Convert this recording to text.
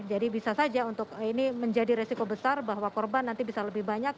jadi bisa saja untuk ini menjadi resiko besar bahwa korban nanti bisa lebih banyak